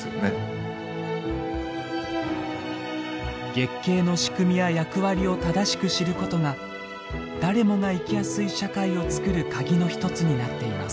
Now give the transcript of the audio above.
月経の仕組みや役割を正しく知ることが誰もが生きやすい社会を作る鍵の一つになっています。